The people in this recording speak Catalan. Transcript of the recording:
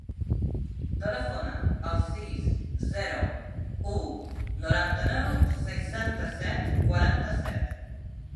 Telefona al sis, zero, u, noranta-nou, seixanta-set, quaranta-set.